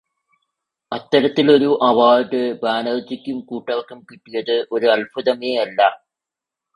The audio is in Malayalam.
അത്തരത്തിലൊരു അവാർഡ് ബാനർജിക്കും കൂട്ടർക്കും കിട്ടിയത് ഒരു അത്ഭുതമേയല്ല.